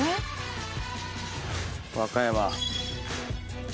和歌山。